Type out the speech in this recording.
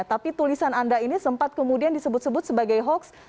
tapi tulisan anda ini sempat kemudian disebut sebut sebagai hoax